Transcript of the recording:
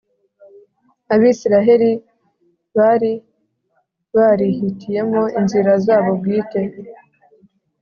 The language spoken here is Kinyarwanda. Abisiraheli bari barihitiyemo inzira zabo bwite